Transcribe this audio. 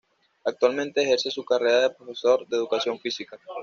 Actualmente ejerce su carrera de profesor de educación física.